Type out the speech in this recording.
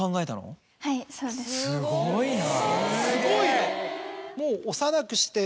すごいな！